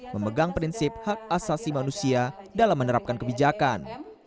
memegang prinsip hak asasi manusia dalam menerapkan kebijakan